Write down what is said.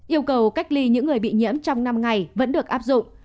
yêu cầu cách ly những người bị nhiễm trong năm ngày vẫn được áp dụng